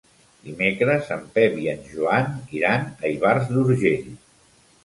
Dimecres en Pep i en Joan iran a Ivars d'Urgell.